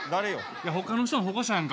いやほかの人の保護者やんか。